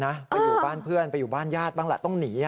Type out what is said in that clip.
ไปอยู่บ้านเพื่อนบ้านญาติบ้างล่ะต้องหนี